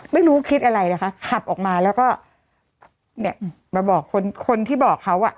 ไม่รู้คิดอะไรนะคะขับออกมาแล้วก็เนี่ยมาบอกคนคนที่บอกเขาอ่ะ